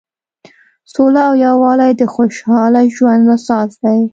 سوله او یووالی د خوشحاله ژوند اساس دی.